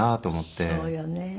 そうよね。